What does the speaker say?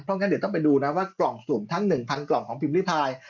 เพราะฉะนั้นเดี๋ยวต้องไปดูนะว่ากล่องสูงทั้งหนึ่งพันกล่องของพิมพิภาย